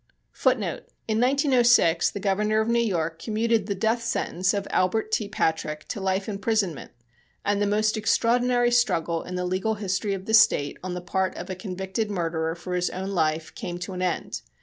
[Footnote 4: In 1906 the Governor of New York commuted the death sentence of Albert T. Patrick to life imprisonment, and the most extraordinary struggle in the legal history of the State on the part of a convicted murderer for his own life came to an end.